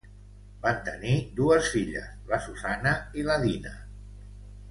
Van tenir dues filles, la Susanna i la Dinah.